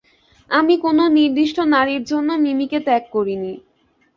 আমি কোনো নির্দিষ্ট নারীর জন্য মিমিকে ত্যাগ করিনি।